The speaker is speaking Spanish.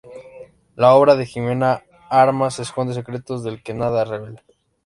La obra de Ximena Armas esconde secretos, del que nada revela.